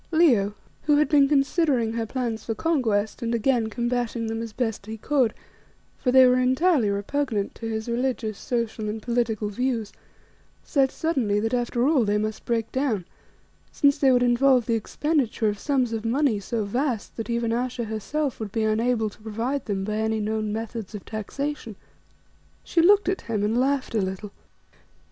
Leo who had been considering her plans for conquest, and again combating them as best he could, for they were entirely repugnant to his religious, social and political views said suddenly that after all they must break down, since they would involve the expenditure of sums of money so vast that even Ayesha herself would be unable to provide them by any known methods of taxation. She looked at him and laughed a little.